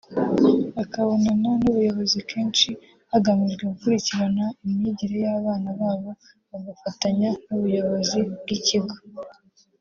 bakabonana n’ubuyobozi kenshi hagamijwe gukurikirana imyigire y’abana babo bagafatanya n’ubuyobozi bw’ikigo